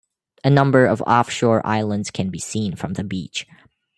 A number of off-shore islands can be seen from the beach.